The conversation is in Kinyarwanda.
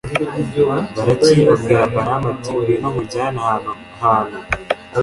balaki abwira balamu, ati «ngwino nkujyane ahandi hantu.